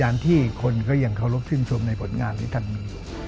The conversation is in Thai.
ทางทีวิยารที่คนก็ยังเขารกชึมสมในผลงานที่ท่านมีอยู่